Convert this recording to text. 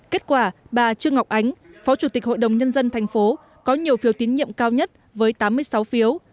kết quả bà trương ngọc ánh phó chủ tịch hội đồng nhân dân thành phố có nhiều phiếu tín nhiệm cao nhất với tám mươi sáu phiếu